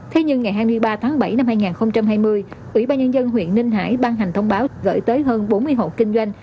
thế nhưng ngày hai mươi ba tháng bảy năm hai nghìn hai mươi ủy ban nhân dân huyện ninh hải ban hành thông báo gửi tới hơn bốn mươi hộ kinh doanh